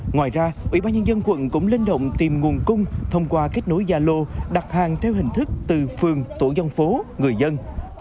ngoài ra ủy ban nhân dân quận cũng linh động tìm nguồn cung thông qua kết nối gia lô đặt hàng theo hình thức từ phường tổ dân phố người dân